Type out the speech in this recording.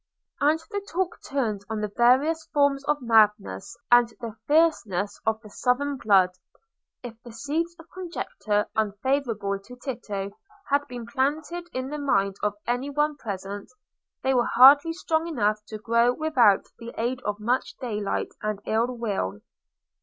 And the talk turned on the various forms of madness, and the fierceness of the southern blood. If the seeds of conjecture unfavourable to Tito had been planted in the mind of any one present, they were hardly strong enough to grow without the aid of much daylight and ill will.